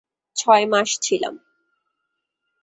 ছয় মাস ছিলাম।